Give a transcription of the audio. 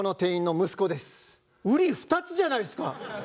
うり二つじゃないすか！